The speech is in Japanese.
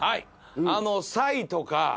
あのサイとか。